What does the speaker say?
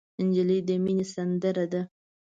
نجلۍ د مینې سندره ده.